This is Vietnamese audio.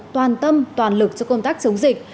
toàn tâm toàn lực cho công tác chống dịch